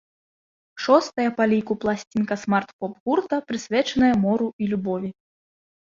Шостая па ліку пласцінка смарт-поп гурта, прысвечаная мору і любові.